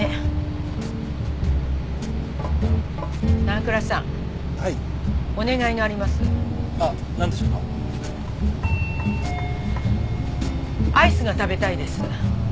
アイスが食べたいです。